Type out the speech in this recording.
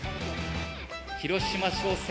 広島商船